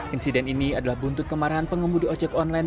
insiden ini adalah buntut kemarahan pengemudi ojek online